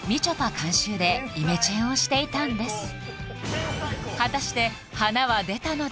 監修でイメチェンをしていたんですあ